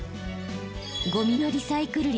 ゴミのリサイクル率